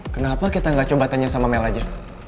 kenapa kita gak coba tanya sama mel aja